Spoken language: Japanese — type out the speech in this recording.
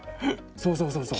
そうそうそうそう。